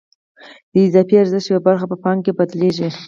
د اضافي ارزښت یوه برخه په پانګه بدلېږي